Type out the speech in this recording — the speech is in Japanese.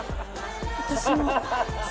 私も。